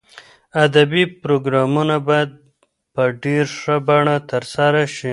ادبي پروګرامونه باید په ډېر ښه بڼه ترسره شي.